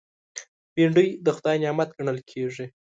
بېنډۍ د خدای نعمت ګڼل کېږي